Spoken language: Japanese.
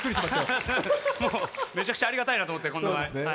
いやいや、もう、めちゃくちゃありがたいなと思って。